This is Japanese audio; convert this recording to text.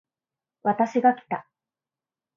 私がきた